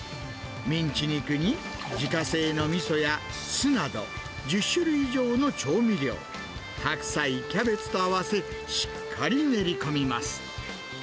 ミンチ肉に、自家製のみそや酢など、１０種類以上の調味料、白菜、キャベツと合わせ、しっかり練り込みます。